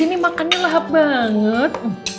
ini makannya lahap banget